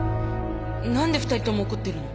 なんで２人ともおこってるの？